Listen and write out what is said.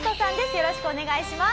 よろしくお願いします。